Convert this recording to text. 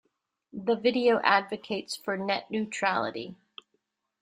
The video advocates for net neutrality.